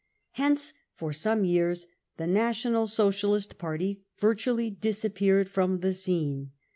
Hence for some years the National Socialist Party virtually disappeared from the scene.